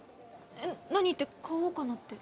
何って買おうかなって。